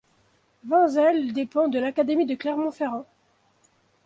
Vinzelles dépend de l'académie de Clermont-Ferrand.